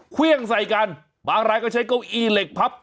เครื่องใส่กันบางรายก็ใช้เก้าอี้เหล็กพับ